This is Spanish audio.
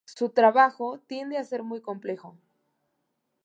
Su trabajo tiende a ser muy complejo.